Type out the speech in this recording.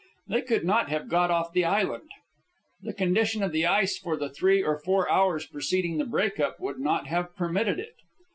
They could not have got off the island. The condition of the ice for the three or four hours preceding the break up would not have permitted it.